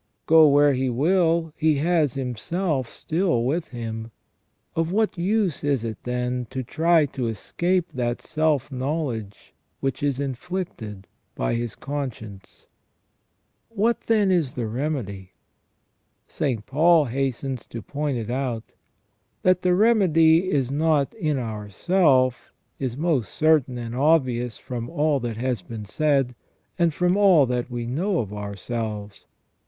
Go where he will, he has himself still with him. Of what use is it, then, to try to escape that self knowledge which is inflicted by his conscience ?"* What, then, is the remedy ? St. Paul hastens to point it out. That the remedy is not in ourself is most certain and obvious from all that has been said, and from all that we know of ourselves.